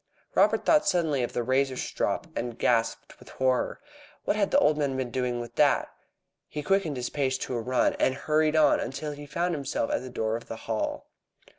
Robert thought suddenly of the razor strop, and gasped with horror. What had the old man been doing with that? He quickened his pace to a run, and hurried on until he found himself at the door of the Hall.